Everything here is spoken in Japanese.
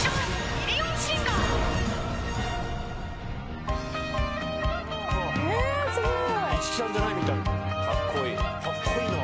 ミリオンシンガーえすごい。